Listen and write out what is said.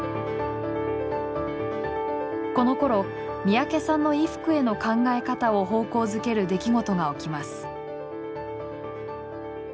このころ三宅さんの衣服への考え方を方向づける出来事が起きます。